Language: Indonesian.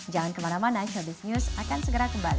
jangan kemana mana showbiz news akan segera kembali